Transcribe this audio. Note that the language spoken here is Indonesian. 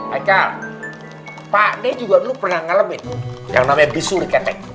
maka pak d juga dulu pernah ngalamin yang namanya bisur ketek